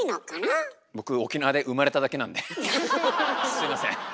すいません。